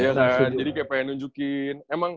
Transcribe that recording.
iya kan jadi kayak pengen nunjukin emang